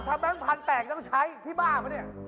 ทำแบงค์พันธุ์แตกต้องใช้พี่บ้าหรือเปล่า